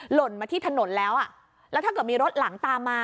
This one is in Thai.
หล่นมาที่ถนนแล้วอ่ะแล้วถ้าเกิดมีรถหลังตามมา